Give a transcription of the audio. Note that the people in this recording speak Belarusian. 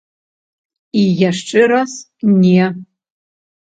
І яшчэ раз не.